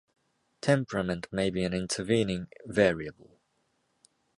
Temperament may be an intervening variable.